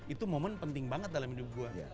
itu momen penting banget dalam hidup gue